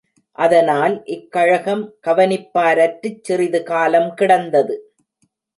அதனால், இக் கழகம் கவனிப்பாரற்றுச் சிறிது காலம் கிடந்தது.